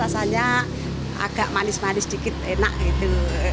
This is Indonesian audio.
rasanya agak manis manis dikit enak gitu